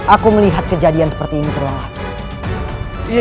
aku melihat kejadian seperti ini terlalu lama